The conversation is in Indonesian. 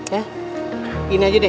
ya ini aja deh